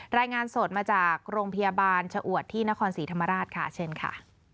รายงานสดมาจากโรงพยาบาลชะอวดที่นครศรีธรรมราชค่ะเชิญค่ะ